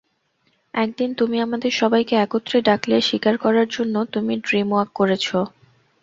একদিন, তুমি আমাদের সবাইকে একত্রে ডাকলে, স্বীকার করার জন্য তুমি ড্রিমওয়াক করেছো।